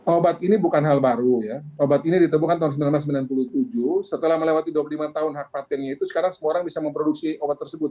obat ini bukan hal baru ya obat ini ditemukan tahun seribu sembilan ratus sembilan puluh tujuh setelah melewati dua puluh lima tahun hak patentnya itu sekarang semua orang bisa memproduksi obat tersebut